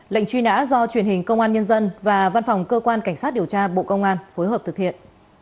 lệnh truy nã do truyền hình công an nhân dân và văn phòng cơ quan cảnh sát điều tra bộ công an phối hợp thực hiện